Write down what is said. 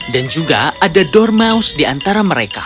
dan juga ada dormouse di antara mereka